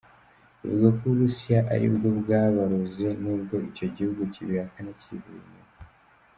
Bivugwa ko u Burusiya ari bwo bwabaroze nubwo icyo gihugu kibihakana cyivuye inyuma.